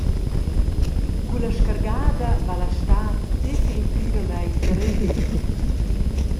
Cun la scargada va la stad definitivamein da rendiu.